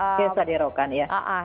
nggak usah dihiraukan ya